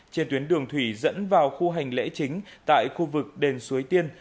trên tuyến đường thủy dẫn vào khu hành lễ chính tại khu vực đền suối tiên